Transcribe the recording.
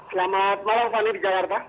selamat malam fanny dijawarta